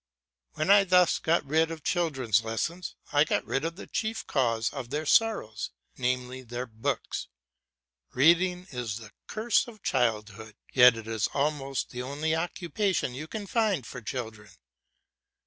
When I thus get rid of children's lessons, I get rid of the chief cause of their sorrows, namely their books. Reading is the curse of childhood, yet it is almost the only occupation you can find for children.